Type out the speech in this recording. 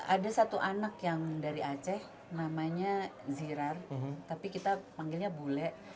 ada satu anak yang dari aceh namanya zirar tapi kita panggilnya bule